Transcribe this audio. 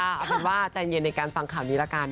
เอาเป็นว่าใจเย็นในการฟังข่าวนี้ละกัน